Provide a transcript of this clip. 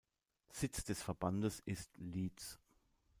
Sitz des Verbandes ist Leeds.